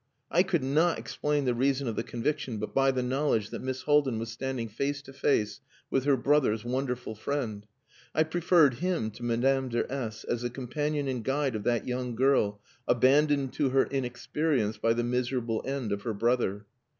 I could not explain the reason of the conviction but by the knowledge that Miss Haldin was standing face to face with her brother's wonderful friend. I preferred him to Madame de S as the companion and guide of that young girl, abandoned to her inexperience by the miserable end of her brother.